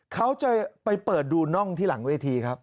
เขาจะไปเปิดดูน่องที่หลังเวทีครับ